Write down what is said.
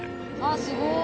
あっすごい。